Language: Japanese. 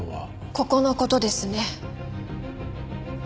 ここの事ですね。